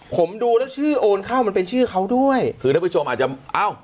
ผมดูแล้วชื่อโอนเข้ามันเป็นชื่อเขาด้วยคือท่านผู้ชมอาจจะอ้าว